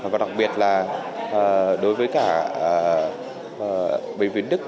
và đặc biệt là đối với cả bệnh viện đức